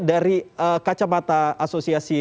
dari kacamata asosiasi